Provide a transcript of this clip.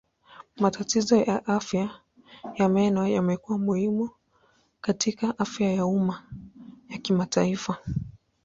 Matatizo ya afya ya meno yamekuwa muhimu katika afya ya umma ya kimataifa.